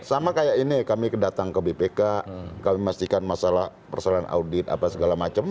sama kayak ini kami datang ke bpk kami memastikan masalah persoalan audit apa segala macam